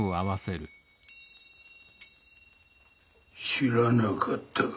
知らなかったか？